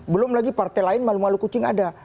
belum lagi partai lain malu malu kucing ada